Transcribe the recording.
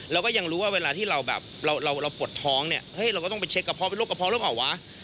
เราก็ยังรู้ว่าเวลาที่เราแบบเราปวดท้องเนี่ยเฮ้ยเราก็ต้องไปเช็คกระเพาะเป็นโรคกระเพาะหรือเปล่าวะ